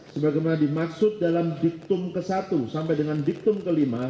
sebagaimana dimaksud dalam diktum ke satu sampai dengan diktum ke lima